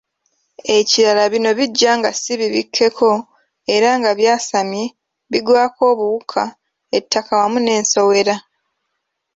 Ekirala bino ebijja nga si bibikkeko, era nga byasamye, bigwako obuwuka, ettaka wamu n'ensowera.